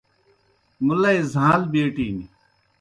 مُلئی زھاݩل بیٹِن۔